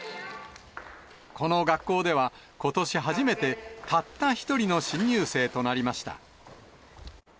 この学校では、ことし初めて、たった１人の新入生となりました。